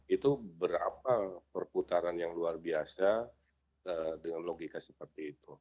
itu berapa perputaran yang luar biasa dengan logika seperti itu